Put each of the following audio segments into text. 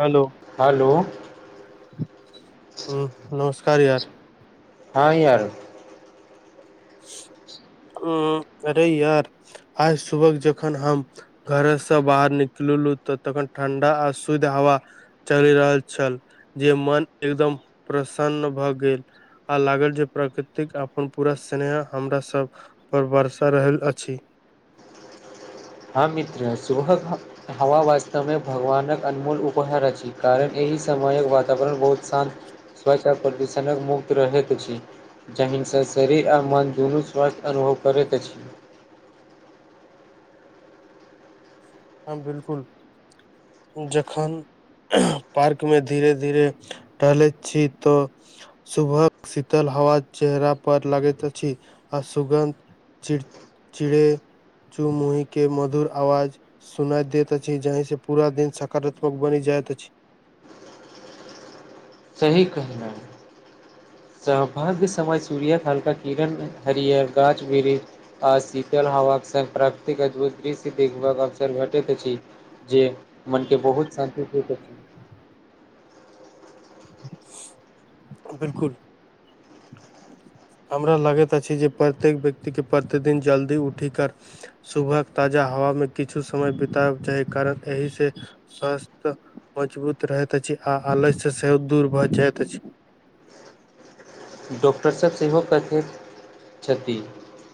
हेल हेल ह नमस्कार या हँ या [inaudible] अरे यार आज सुबह जखन ह घरे से बाहर निकललु तऽ तखन ठंडा आ शुद्ध हव चलि रहल छल जे मन एकदम प्रसन्न भऽ गे आ लागल जे प्राकृतिक अपन पूर एनेहा हमरा सब पर वर्सा रहल अछ ह मित्र शुभ हवा वास्तव मे भगवानक अनमोल उपहार अछि कारण एहि समयक वातावरण बहुत शान्त स्वच्ता प्रदूषणक मुक्त रहैत अछ जहिनसँ शरीर आ मन दुनू स्वास्थ्य अनुभव करैत अछ हँ बिलकुल जख पार्कमे धीरे धीरे टहलैत छी त सुभक शीतल हव चेहरा पर लागे छ आ सुगन्ध चिड़ चिड़ेचु मुुही के मधुर आवाज सुनाय देैत अछि जही से पूरा दिन सकारात्मक बनि जाइत अछि सही कहलो सौभाग्य समय सूर्य कालका किरण हरिहर गाछ वृक्ष आ शीतल हवाक संगङ्ग प्राकृतिक अद्भुत दृश्य देखबाक अवसर घेटैत अछि जे मनके बहुत शान्ति छै बिलकुल हमरा लागैत अछि जे प्रत्येक व्यक्ति के प्रतिदिन जल्दी उठि कर सुबह ताजा हवामे किछु समय बितब चाही कारण एहिसँ स्वास्थ्य मजबूत रहैत अछि आ आलस्य सेहो दूर भऽ जाइत अछि डॉक्टर सभ सेहो कथैत छथि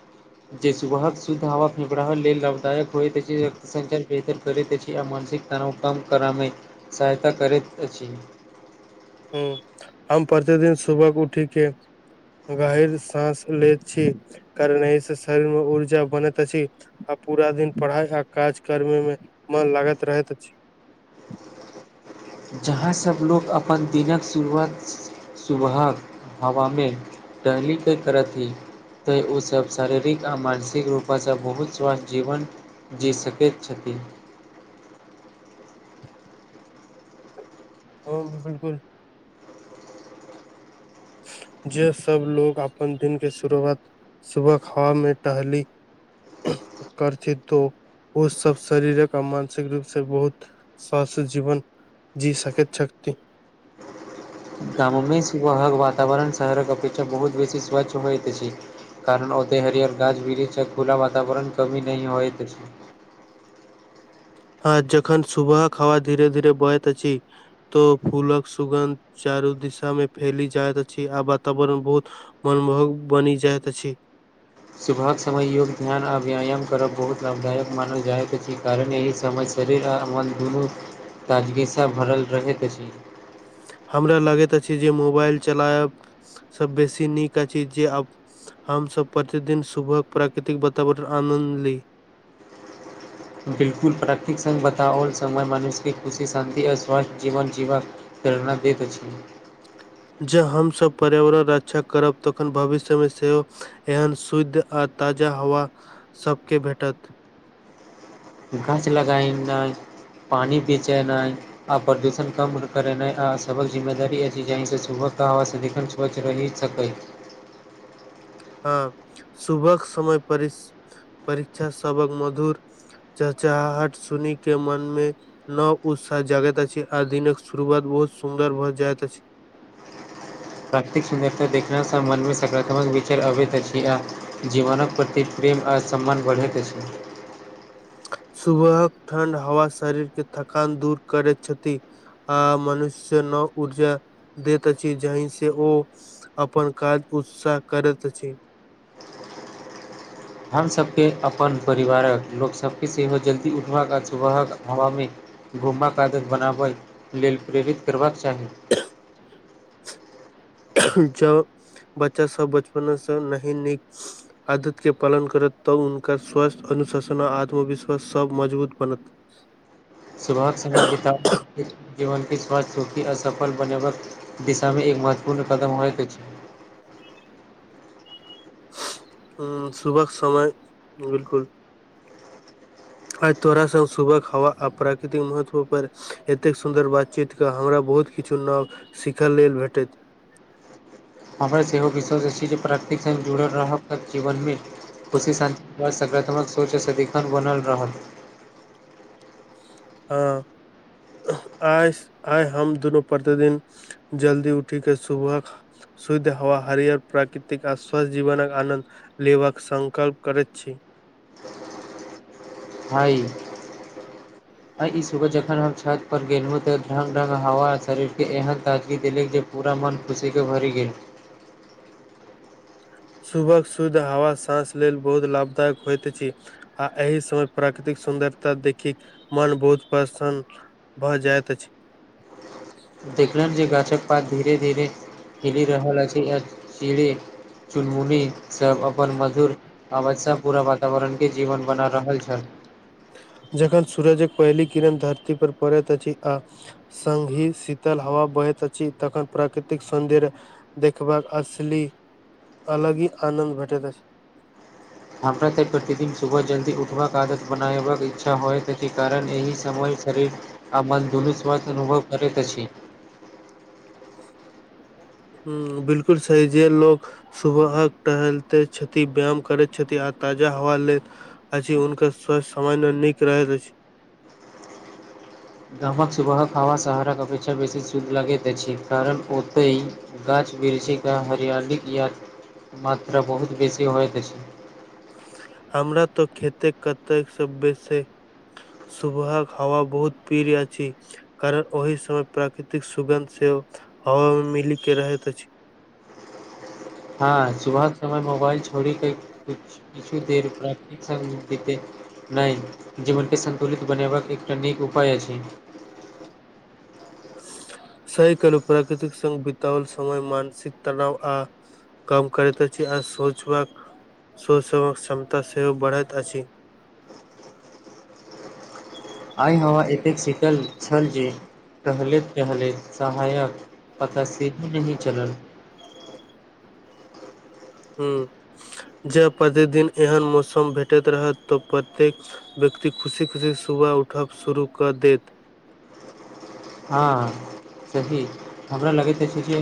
[inaudible] जे सुबहक शुद्ध हवा फिरा लेल लाभदायक होइत अछि रक्त संञचार बेहतर करैत अछि मानसिक तनाव कम करैमे सहायता करैत अछि ह्म हम प्रतिदिन सुबह क उठि के गहर साँस लेैत छी कारण एहिसँ शरीर मे ऊर्जा बनैत अछि आ पूरा दिन पढ़ाई आ काज करे मे मन लागैत रहैत जहाँसभ लोक अपन दिनक शुरुआत सुबह हवामे टहल के करत ही त‌एऽ ओसभ शारीरिक आ मानसिक रूपसँ बहुत स्वस्थ्य जीवन जी सकैत छथिन ओ बिलकुल जे सब लोग अपन दिन के शुरुआत सुबह हवा मे टहली करथि तो ओ सब शरीर आ मानसिक रूपसँ बहुत स्वास्थ्य जीवन जी सकैत छथि गाममे सुवह वातावरण शहरक अ अपेक्षा बहुत बेसी स्वच्छ होइत छी कारण ओते हरिअर गाछ बिरीछक खुला वातावरण कमी नहि होइत अछि हँ जखन सुुबह क हवा धीरे धीरे बहैत अछि तो फूलक सुगन्ध चारू दिशा मे फैल जाइत अछि आ वातावरण मे बहुत मनमोहक बनि जाइत अछि सुबह समय योग्य ध्यान व्यायाम करब बहुत लाभदायक मानल जाइत अछि कारण एहि सम शरीर आ मन दुनू ताजगीसँ भरल रहैत अछि हमरा लगैत अछि जे मोबाइल चलायब से बेसी नीक अछि जे आब हमस प्रतिदिन सुबह प्राकृतिक वातावरण आनन्द ली बिलकुल प्राकृिक सघ बताओल समय मनुष्य खुशी शान्ति आ स्वस्थ जीवन जीवन प्रेरणा दैत अछि जे हमसभ पर्यावरण रक्षा करब तखन भविष्यमे सेहो एहन शुद्ध आ ताजा हवा सबके भेटत गाछ लगायनाइ पानि बेचेनाइ आ प्रदूषण कम करेनाइ आ सभक जिम्मेदारी अछि जाहि से सुबह का हवा सदिखन बच रहि सक हँ सुबक समय पर परीक्षा सबक मधु चहचहाहट सुनी के मनमे लोक उतसाह जगैती आ दिने शुरुबात बहुत सुन्दर भ जइत अछि प्राकृतिक सुन्दरता देखनेँ मनमे सकारात्मक विचार अबैत अछि जीवनक प्रति प्रेम आ सम्मान बढ़ैत अछ सुबहक ठण्डा हवा शरीर के थकान दूर करैत छथ आ मनुष्य नव ऊर्जा दैत अछि जाहि से अपन काज कुजसा करैत अछ हमसभके अपन परिवारक लोकसभके सेहो जल्दी उठबक आ सुबहक हवाम घुमक आदत बनाबय लेल प्रेरित करबाक चाही जॉ बच्चा सब बचपन स नहीं नीक आदत के पालन करत तब उनकर ‌ स्वस्थ अनुशासन आ आत्मविश्वास सब मजबूत बनत सुबहके समय बितउ जीवनके स्वास्थ्य सुखी असफल बनेबाक दिशामे एक महत्वपूर्ण कदम होएके छै ह सुबह समय बिलकु आइ तोरा स सुभक हवा आ प्राकृतिक महत्व पर एतेक सुन्दर बातचीतके हमरा बहुत किछु नव सीखय लेल भेटैत हमर सेहो विश्वास अछि जे प्रकृिक सङ्ग जुड़ल रहब जीवनमे खुशी शान्ति सकारात्मक सोच सदिखन बनल रहल हँ आय आय हम दुनू प्रतिदिन जल्दी उठी के सुबह शुद्ध हवा हरिहर प्राकृतिक आ स्वस्थ्य जीवन आनन्द लेबाक संकल्प करैत छी हय [inaudible] आ ई सुबह जखन हम छत परर गेलहुँ तऽ ढङ्ग ढङ्ग हवा आ शरीरके एहन ताजगी देलक जे पूरा मन खुशीके भरि गेल सुभक शुद्ध हवा साँस लेल बहुत लाभदायक होइत अछि आ एहि समय प्राकृतिक सुन्दरता देखिक मन बहुत प्रसन्न भऽ जायइत अछि देखलनि जे गाछक पात धीरे धीरे हेली रहल अछि य चीड़े चुनमुनी सब अपन मधुर आवश्यक पूरा वातावरण के जीवन बना रहल छल जखन सूरजक पहिल किरण धरती पर पड़ैत अछि आ संघी शीतल हवा बहैत अछि तखन प्राकृतिक सौन्दर्य देखबाक असली अलग ही आनन्द भेटैत अछि हमरा तऽ प्रतिदिन सुबह जल्दी उठबाक आदत बनेबाक इच्छा होयत अछि कारण एहि समय शरीर आ मन धनुस्वथ अनुभव करैत अछि ह बिलकुल सी जे लोको सुबह टहलते छथि व्याम करैत छथि आ ताजा हवा ले अछि हुनकर स्वस्थ्य समजमे निक रहैत अछि गामक सुबहक हवा शहरक अपेक्षा बेसी शुद्ध लागैत अछि कारण ओतहि गाछ वृक्षीके हरियालीके या मात्रा बहुत बेसी होइत अछि हमरा तो खेते कतेक से बैस सुभहक हवा बहुत पीर अछी कारण ओहि समय प्राकृतिक सुगन्ध सेओ हवा मे मिली के रहैत अछि हँ सुबह समय मोबाइल छोड़ी के किछु देर प्राकृतिक संग बितैत नहि जीवनके सन्तुलित बनेयबाक एकटा नीक उपाय अछि सही कहलौप्राकृतिक संग बिताओल समय मानसिक तानाव आ कम करैत अछि आ सोचबाक सोचक क्षमता सेहो बढ़ैत अछि आइ न एतेक सिटल छल जे टहलैत टहलैत सहायक पता सीधी नहि चल ह्म जब प्रतिदिन एहन मौसम भेटैत रहत तऽ प्रत्येक व्यक्ति खुशी खुशी सुबह उठब शुरू कऽ देत हँ सही हमरा लगैत अछि जे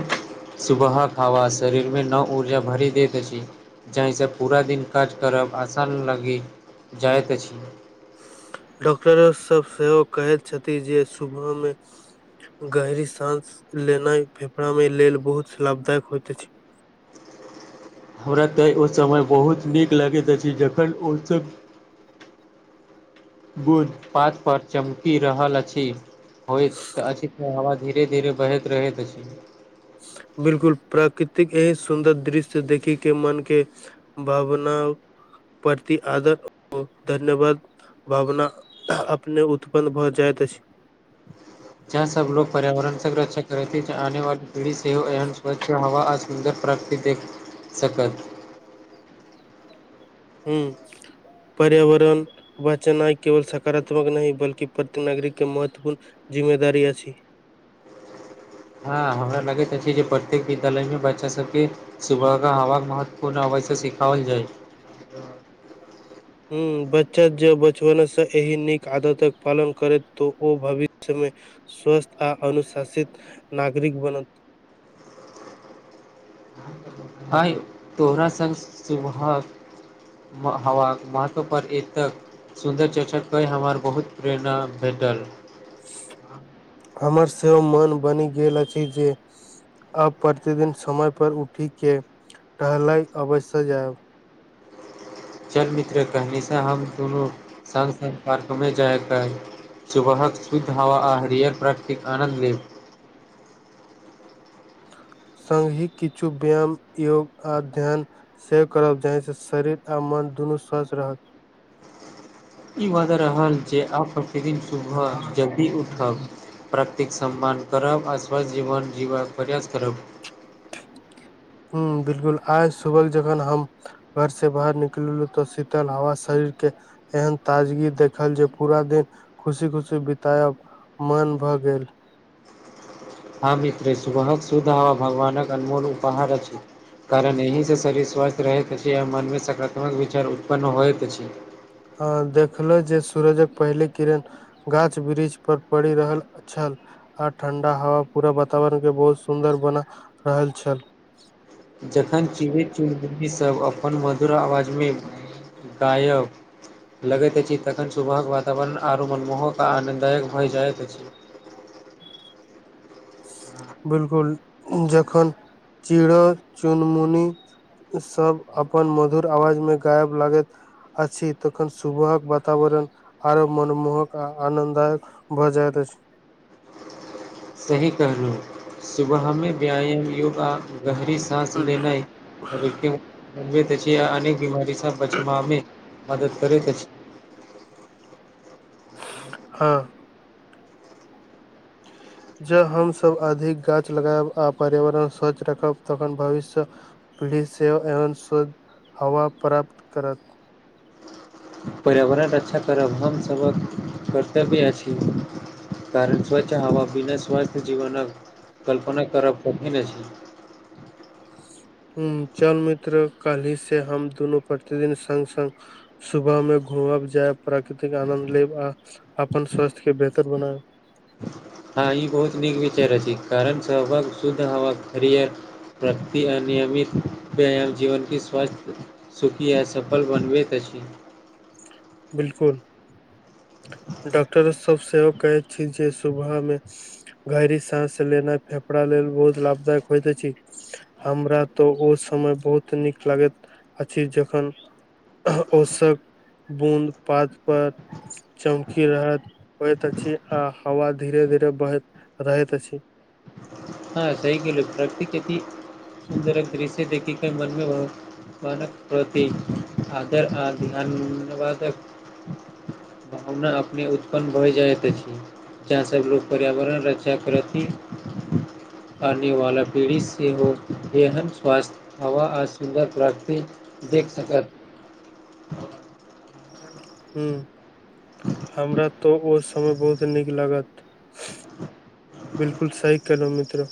सुबह हवा शरीरमे नव ऊर्जा भरि दैत अछि जाहिसँ पूरा दिन काज करब आसान लगि जाइत अछि डॉक्टरो सभ सेहो कहैत छथि जे सुबहमे गहरी साँस लेनाइ फेफरा मे लेल बहुत लाभदायक होयइत अछि हमरा तऽ ओ समय बहुत नीक लगैत अछि जखन ओसभ [unintelligible] [unintelligible] गुड पात पर चमकि रहल अछि होइतऽ अछि त हवा धीरे धीरे बहैत रहैत अछि बिल्कुल प्राकृतिक एह सुन्दर दृश्य देखै के मन के भावना प्रति आदर धन्यवाद भावना अपने उत्पन्न भए जाइत अछि जहाँ सब लोग पर्यावरण संरक्षा करैत अछि आने वाली पीढ़ी सेहो एहन स्वच्छ हवा सुन्दर प्राप्ति देख सकत [unintelligible] हू पर्यावरण बचनाई केवल सकारात्मक नहि बल्कि प्रत्यक नागरिक के महत्वपूर्ण जिम्मेदारी अछि हँ हमरा लगैत अछि जे प्रत्येक विद्यालयमे बच्चा सबके सुबह के हवा महत्वपूर्ण हव से शिखाल जाइ छै तऽ [unintelligible] हुं बच्चा जे बचपनसँ एहि नीक आदतक पालन करैत तऽ ओ भविष्यमे स्वस्थ आ अनुशासित नागरिक बन आइ तोहरासँ सुबह ह वसो पर एक तक [inaudible] [unintelligible] सुन्दर चर्चा कै हमर बहुत प्रेरणा भेटल हमर सेहो मन बनि गेल अछि जे अ प्रतिदिन समय पर उठि के टहलय अवश्य जायब चल मित्र कहनीसँ हम दुनू सङ्ग सङ्ग पार्कमे जाईके [unintelligible] [unintelligible] सुबहक शुद्ध हवा आहरिअर प्राकिति आनन्द लेब सङगी किछु व्याम योग आ ध्यान सेव करब जाहिसँ शरीर आ मोन दुनू स्वस्थ रहत ई बद रहल जे आब प्रतिदिन सुबह जल्दी उठब प्राक्तिक सम्मान करब आ स्वस्थ जीवन जीबक प्रयास करब ह बिलकुल आय सुबल जखन हम घर से बाहर निकललू तऽ शीतल हवा शरीर के एहन ताजगी देखल जे पूरा दिन खुशी खुशी बितायब मन भऽ गेल ह मित्र सुबहक सुद्ध आ भगवानक अनमोल उपहार अछि कारण एहिसँ शरीर स्वस्थ रहैत अछि आ मनमे सकारात्मक विचार उत्पन्न होइत अछि ह देखलै जे सूरजक पहिले किरण गाछ वृक्ष पर पड़ि रहल छल आ ठंडा हवा पूरा वातावरण के बहुत सुंदर बना रहल छल जखन चिड़ै चुनमुनीसभ अपन मधुर आवाजमे गायब लगैत अछि तखन सुबहक वातावरण आओरो मनमोहक आ आनन्ददायक भऽ जाइत अछि बिल्कुल जखन चिड़ै चुनमुनी सब अपन मधुर आवाज में गायब लागैत अछि तखन सुबहक बातावरण आरो मनमोहक आ आनन्ददायक भऽ जाइत अछि सही कहलू सुबहमे व्याम योगा गहरी साँस लेनाई शरीरके य अनेक बीमारीसँ बचमामे मदत करैत अछि हँ जँ हमसभ अधिक गाछ लगायब आ पर्यावरण स्वच्छ रखब तखन भविष्य प्लीज सेव एवं शुद्ध हवा प्राप्त करत पर्यावरण अच्छा करब हमसभक कर्तव्य अछि कारण स्वच्छ हवा बिना स्वस्थ जीवनक कल्पना करब कठिन अछि हूँ चल मित्र काल्हि से हम दुनू प्रतिदिन सङ्ग सङ्ग सुबह में घुमब जायब प्राकृतिक आनन्द लेब आ अपन स्वास्थ्य के बेहतर बनाए हँ ई बहुत नीक विचार अछि कारण सहभाग शुद्ध ह खरियर प्रकति अनियमित व्यायाम जीवन क स्वास्थ सुखी या सफल बनबैत अछि बिल्कुल डॉक्टर सब सेहो कहैत छी जे सुबहमे गहरी साँस लेनाय फेफड़ा लेल बहुत लाभदायक होइत अछि हमरा तऽ ओ समय बहुत नीक लागैत अछि जखन ओ सब बूंद पात पर चमकी रहैत होइत अछि आ हवा धीरे धीरे बहैत रहैत अछि हँ सहि कहलि प्रकति सुन्दरक दृश्य देख क मनमे बत बनक प्रति आदर आ ध्यानवादक भावना अपने उत्पन्न भऽ जाइत अछि सभ लोक पर्यावरण रक्षा करथिन आने वाला पीढ़ि सेहो बेहद स्वास्थ्य हवा आ सुन्दर प्राकृत देख सकत ह हमरा तऽ ओ समय बहुत नीक लागत बिल्कुल सही केलौ मित्र